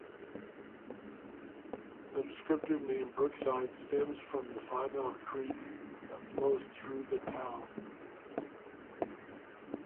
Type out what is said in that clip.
The descriptive name Brookside stems from the Five-Mile creek that flows through the town.